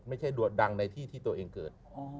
ไม่ใช่ดังในที่ที่ตัวเองเกิด